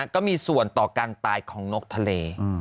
ก็มีส่วนต่อการตายของนกทะเล